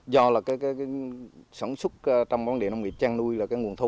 do là cái sản xuất trong vùng địa nông nghiệp chăn nuôi là cái nguồn thuốc